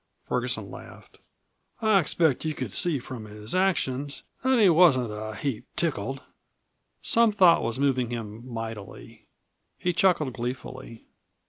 Ferguson laughed. "I expect you could see from his actions that he wasn't a heap tickled." Some thought was moving him mightily. He chuckled gleefully.